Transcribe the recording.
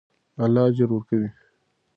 الله اجر ورکوي.